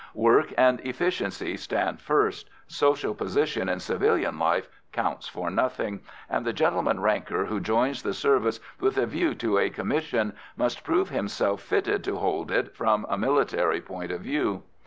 Work and efficiency stand first; social position in civilian life counts for nothing, and the gentleman ranker who joins the service with a view to a commission must prove himself fitted to hold it from a military point of view.